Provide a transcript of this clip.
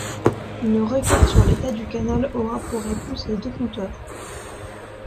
Une requête sur l'état du canal aura pour réponse les deux compteurs.